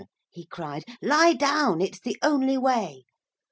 he cried. 'Lie down! It's the only way.'